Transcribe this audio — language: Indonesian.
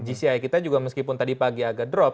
di asia kita juga meskipun tadi pagi agak drop